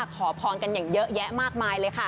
ขอพรกันอย่างเยอะแยะมากมายเลยค่ะ